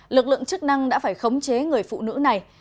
lực lượng chức năng đã phải khống chế người phụ nữ này